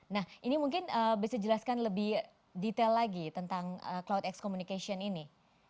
nah ini mungkin bisa dijelaskan lebih detail lagi tentang cloudx communication ini